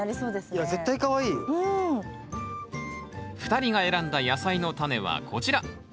２人が選んだ野菜のタネはこちら。